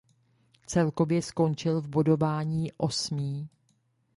Celkově skončil v bodování osmý.